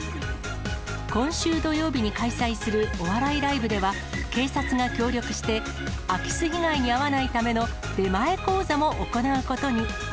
今週土曜日に開催するお笑いライブでは、警察が協力して、空き巣被害に遭わないための出前講座も行うことに。